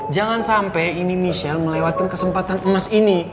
jangan sampai ini michelle melewatkan kesempatan emas ini